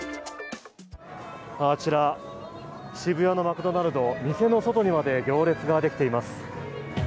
あちら、渋谷のマクドナルド、店の外まで行列ができています。